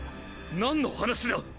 何の話だ！？